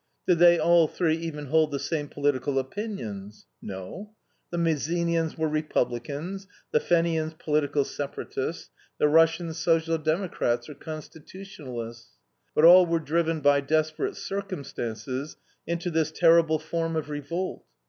Did they all three even hold the same political opinions? No. The Mazzinians were Republicans, the Fenians political separatists, the Russians Social Democrats or Constitutionalists. But all were driven by desperate circumstances into this terrible form of revolt.